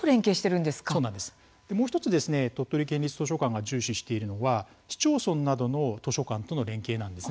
もう１つ鳥取県立図書館が重視しているのは市町村などの図書館との連携なんです。